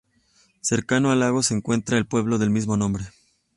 Cercano al lago se encuentra el pueblo del mismo nombre.